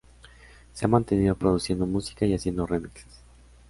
Se ha mantenido produciendo música y haciendo remixes.